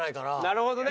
なるほどね。